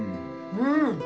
うん！